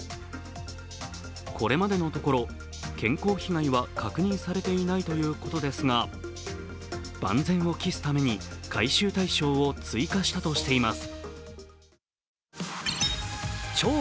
これまでのところ健康被害は確認されていないということですが万全を期すために回収対象を追加したとしています。